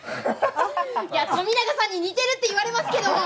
いや富永さんに似てるって言われますけども。